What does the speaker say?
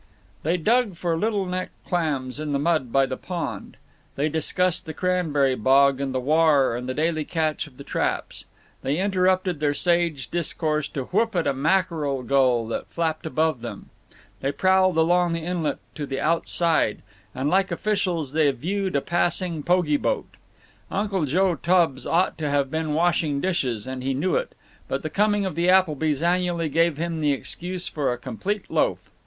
They dug for Little Neck clams in the mud by the Pond, they discussed the cranberry bog and the war and the daily catch of the traps; they interrupted their sage discourse to whoop at a mackerel gull that flapped above them; they prowled along the inlet to the Outside, and like officials they viewed a passing pogie boat. Uncle Joe Tubbs ought to have been washing dishes, and he knew it, but the coming of the Applebys annually gave him the excuse for a complete loaf.